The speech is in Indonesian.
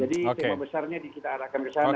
jadi tema besarnya di kita arahkan ke sana